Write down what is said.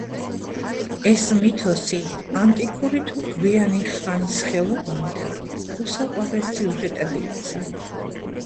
ეს მითოსი ანტიკური თუ გვიანი ხანის ხელოვანთა უსაყვარლეს სიუჟეტად იქცა.